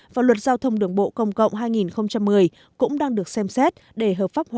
và luật giao thông đường bộ công cộng hai nghìn một mươi cũng đang được xem xét để hợp pháp hóa